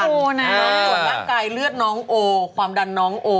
ร่างกายเลือะตนองโอความดันนองโอ